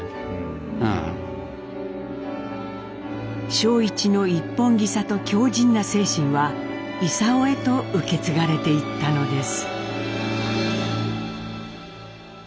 正一の一本気さと強じんな精神は勲へと受け継がれていったのです。